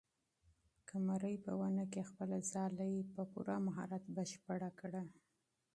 قمرۍ په ونې کې خپله ځالۍ په پوره مهارت بشپړه کړه.